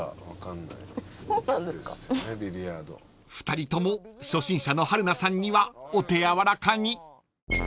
［２人とも初心者の春菜さんにはお手柔らかに］